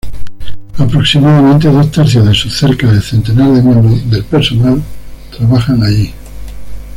Aproximadamente dos tercios de sus cerca de centenar de miembros del personal trabajan allí.